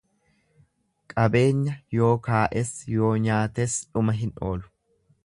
Qabeenya yoo kaa'es yoo nyaates dhuma hin oolu.